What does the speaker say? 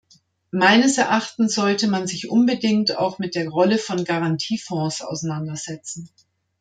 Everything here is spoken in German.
Meines Erachtens sollte man sich unbedingt auch mit der Rolle von Garantiefonds auseinandersetzen.